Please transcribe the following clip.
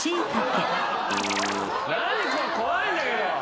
何これ怖いんだけど。